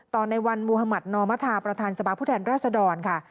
ตอนในวันมุธมัตินมประธานสพรศค่ะ